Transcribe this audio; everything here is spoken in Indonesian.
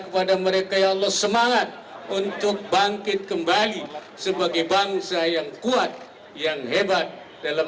kepada mereka ya allah semangat untuk bangkit kembali sebagai bangsa yang kuat yang hebat dalam